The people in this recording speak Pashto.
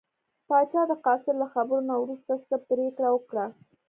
پاچا د قاصد له خبرو نه وروسته څه پرېکړه وکړه.